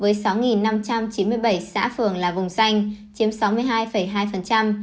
với sáu năm trăm chín mươi bảy xã phường là vùng xanh chiếm sáu mươi hai hai